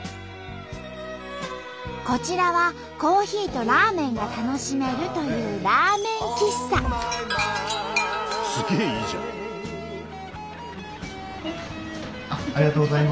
こちらはコーヒーとラーメンが楽しめるというはい。